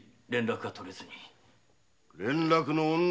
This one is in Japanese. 連絡の女